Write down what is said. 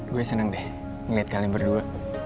gue senang deh ngeliat kalian berdua